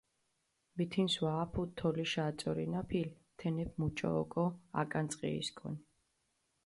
მითინს ვა აფუდჷ თოლიშა აწორინაფილი, თენეფი მუჭო ოკო აკანწყიისკონ.